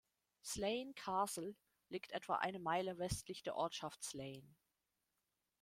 Slane Castle liegt etwa eine Meile westlich der Ortschaft Slane.